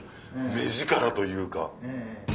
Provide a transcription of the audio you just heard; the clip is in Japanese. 目力というか。